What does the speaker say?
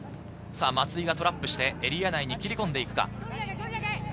松井がトラップして、エリア内に切り込んでいくか？